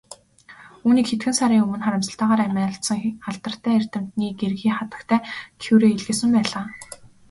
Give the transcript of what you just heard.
Үүнийг хэдхэн сарын өмнө харамсалтайгаар амиа алдсан алдартай эрдэмтний гэргий хатагтай Кюре илгээсэн байлаа.